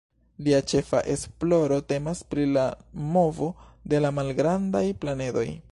Lia ĉefa esploro temas pri la movo de la malgrandaj planedoj.